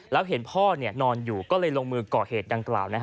แล้วเห็นพ่อนอนอยู่ก็เลยลงมือก่อเหตุดังกล่าว